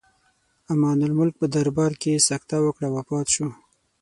امان الملک په دربار کې سکته وکړه او وفات شو.